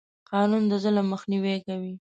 قانون د ظلم مخنیوی کوي.